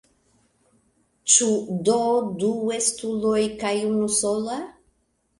Ĉu do du estuloj kaj unusola?